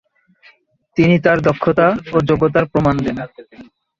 তিনি তার দক্ষতা ও যোগ্যতার প্রমাণ দেন।